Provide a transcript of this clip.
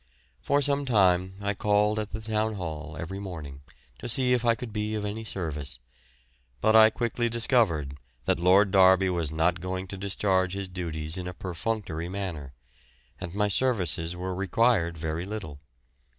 For some time I called at the Town Hall every morning to see if I could be of any service, but I quickly discovered that Lord Derby was not going to discharge his duties in a perfunctory manner, and my services were required very little.